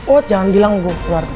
oh jangan bilang gue keluarga